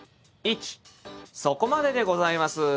そこまででございます。